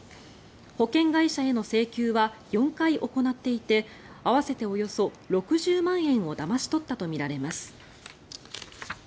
保険会社への請求は４回行っていて合わせておよそ６０万円をだまし取ったとみられます。